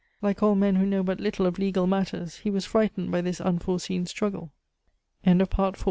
Like all men who know but little of legal matters, he was frightened by this unforeseen struggle. During their int